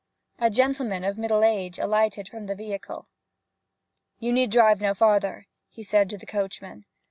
A gentleman of middle age alighted from the vehicle. 'You need drive no farther,' he said to the coachman.